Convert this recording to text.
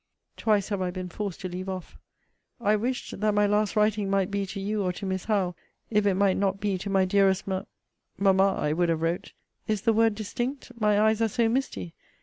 Twice have I been forced to leave off. I wished, that my last writing might be to you, or to Miss Howe, if it might not be to my dearest Ma Mamma, I would have wrote is the word distinct? My eyes are so misty!